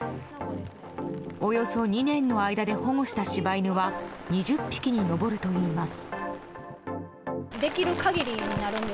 およそ２年の間で保護した柴犬は２０匹に上るといいます。